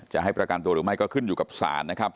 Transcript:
จะให้ประกันตัวหรือไม่ก็ขึ้นอยู่กับศาลนะครับ